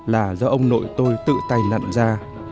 là do ông nội tôi tự tay nặn ra